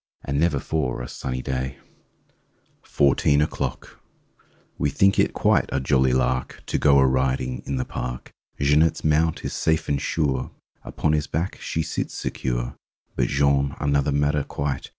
And never for a sunny day! 29 THIRTEEN O'CLOCK 31 FOURTEEN O'CLOCK W E think it quite a jolly lark To go a riding in the park. Jeanette's mount is safe and sure, Upon his back she sits secure. But Jean—another matter, quite!